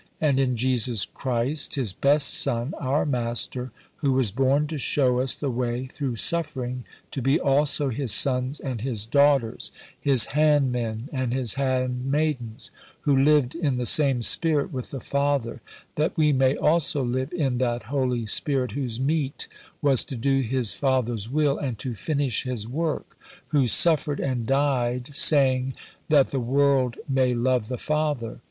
And in Jesus Christ, His best son, our Master, who was born to show us the way through suffering to be also His sons and His daughters, His handmen and His handmaidens, who lived in the same spirit with the Father, that we may also live in that Holy Spirit whose meat was to do His Father's will and to finish His work, who suffered and died saying, 'That the world may love the Father.'